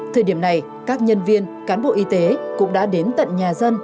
thời điểm này các nhân viên cán bộ y tế cũng đã đến tận nhà dân